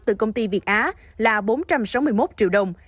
từ công ty việt á là bốn trăm sáu mươi một triệu đồng